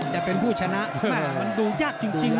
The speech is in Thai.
จะเป็นผู้ชนะมันดูยากจริงนะ